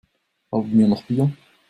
Haben wir noch Bier?